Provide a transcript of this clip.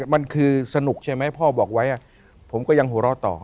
มันคือสนุกใช่ไหมพ่อบอกไว้ผมก็ยังหัวเราะต่อ